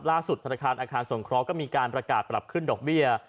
ธนาคารอาคารสงเคราะห์ก็มีการประกาศปรับขึ้นดอกเบี้ย